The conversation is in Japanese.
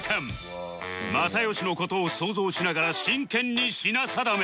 又吉の事を想像しながら真剣に品定め